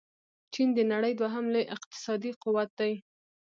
چين د نړۍ دوهم لوی اقتصادي قوت دې.